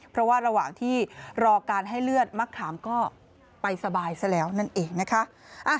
เพราะว่าระหว่างที่รอการให้เลือดมะขามก็ไปสบายซะแล้วนั่นเองนะคะ